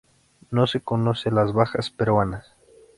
No se conocen las bajas peruanas.